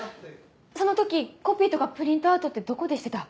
その時コピーとかプリントアウトってどこでしてた？